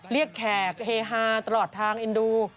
เรียกแขกเฮฮาตลอดทางอินดู